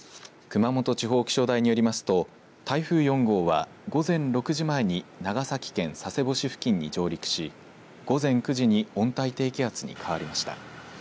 熊本地方気象台によりますと台風４号は、午前６時前に長崎県佐世保市付近に上陸し午前９時に温帯低気圧に変わりました。